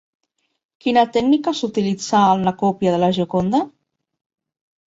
Quina tècnica s'utilitzà en la còpia de La Gioconda?